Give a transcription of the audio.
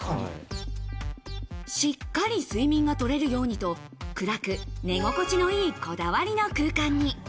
しっかり睡眠を取れるようにと、暗く、寝心地のいいこだわりの空間に。